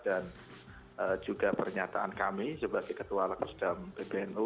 dan juga pernyataan kami sebagai ketua laksedam pbnu